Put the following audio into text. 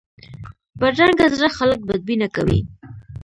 بدرنګه زړه خلک بدبینه کوي